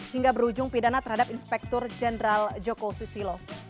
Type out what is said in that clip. hingga berujung pidana terhadap inspektur jenderal joko susilo